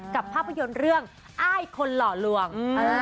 ภาพยนตร์เรื่องอ้ายคนหล่อลวง